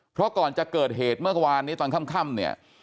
เพราะก่อนจะเกิดเหตุเมื่อวานนี้ตอนค่ำเนี่ย